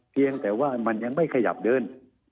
เพียงแต่ว่ามันยังไม่ขยับเดิน